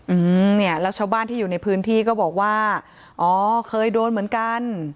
อืมเนี่ยแล้วชาวบ้านที่อยู่ในพื้นที่ก็บอกว่าอ๋อเคยโดนเหมือนกัน